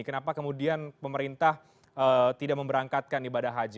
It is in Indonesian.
kenapa kemudian pemerintah tidak memberangkatkan ibadah haji